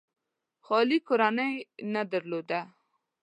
خالي کورنۍ نه درلوده.